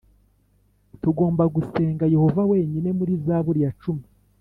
Tugomba gusenga yehova wenyine muri zaburi ya cumi